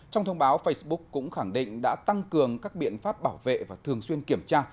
trong thông báo facebook cũng khẳng định đã tăng cường các biện pháp bảo vệ và thường xuyên kiểm tra